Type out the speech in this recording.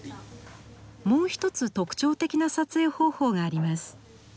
もう一つ特徴的な撮影方法があります。